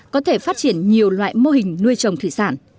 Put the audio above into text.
có thể phát triển nhiều loại mô hình nuôi trồng thủy sản